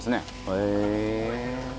へえ。